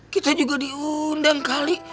kita juga diundang kali